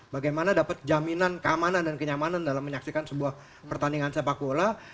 bagaimana dapat jaminan keamanan dan kenyamanan dalam menyaksikan sebuah pertandingan sepak bola